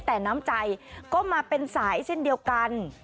แต่น้ำใจก็มาเป็นสายเช่นเดียวกัน